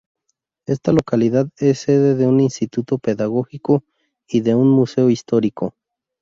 Esta localidad es sede de un instituto pedagógico y de un museo histórico.